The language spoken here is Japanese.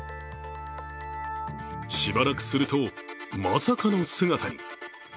しばらくすると、まさかの姿に。